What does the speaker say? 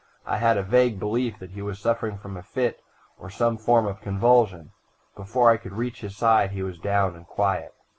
I had a vague belief that he was suffering from a fit or some form of convulsion. Before I could reach his side he was down and quiet.